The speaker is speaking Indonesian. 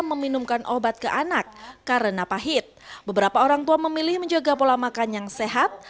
meminumkan obat ke anak karena pahit beberapa orang tua memilih menjaga pola makan yang sehat